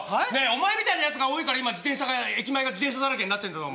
お前みたいなやつが多いから今駅前が自転車だらけになってんだぞ。